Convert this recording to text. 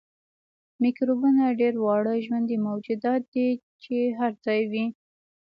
میکروبونه ډیر واړه ژوندي موجودات دي چې هر ځای وي